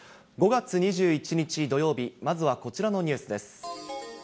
５月２１日土曜日、まずはこちらのニュースです。